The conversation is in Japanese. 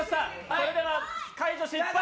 それでは解除失敗！